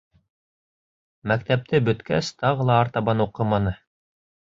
Мәктәпте бөткәс, тағы ла артабан уҡыманы.